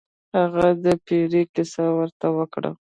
هغه د پیري کیسه ورته وکړه.